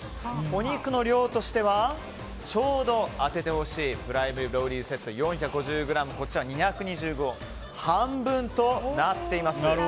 お肉の量としてはちょうど当ててほしいプライムリブセット４５０ｇが２２０ｇと半分となっています。